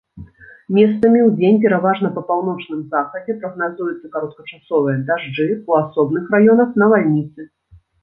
Месцамі, удзень пераважна па паўночным захадзе прагназуюцца кароткачасовыя дажджы, у асобных раёнах навальніцы.